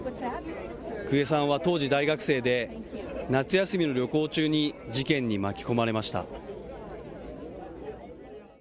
久下さんは当時、大学生で夏休みの旅行中に事件に巻き込まれました。